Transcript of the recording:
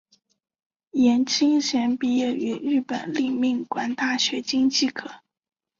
颜钦贤毕业于日本立命馆大学经济科。